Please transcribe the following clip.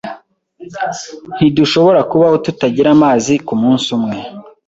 Ntidushobora kubaho tutagira amazi kumunsi umwe.